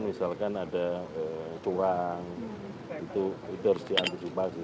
misalkan ada curang itu harus diantisipasi